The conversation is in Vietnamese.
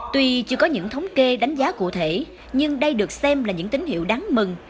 tuy chưa có những thống kê đánh giá cụ thể nhưng đây được xem là những tín hiệu đáng mừng